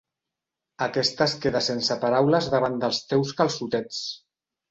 Aquesta es queda sense paraules davant dels teus calçotets.